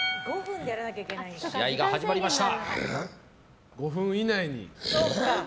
試合が始まりました。